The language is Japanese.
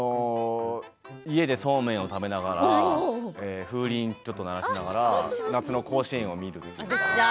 家でそうめんを食べながら風鈴を鳴らしながら夏の甲子園を見る。